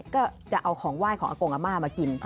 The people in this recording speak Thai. ก็จะเอาของไหว้ของอากงอาม่ามากิน